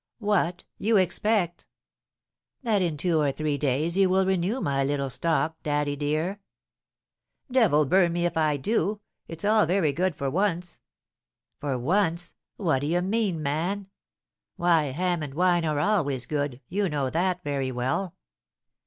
"What! You expect " "That in two or three days you will renew my little stock, daddy dear." "Devil burn me if I do! It's all very good for once " "For once! What d'ye mean, man? Why, ham and wine are always good, you know that very well."